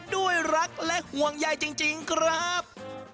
ด้วยรักและห่วงใยจริงครับ